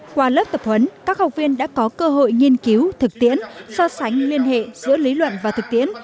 qua lớp tập huấn các học viên đã có cơ hội nghiên cứu thực tiễn so sánh liên hệ giữa lý luận và thực tiễn